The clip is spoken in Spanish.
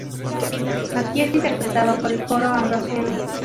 Aquí es interpretado por el Coro Ambrosiano.